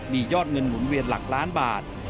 มียอดเงินหมุนเวียนหลักล้านบาท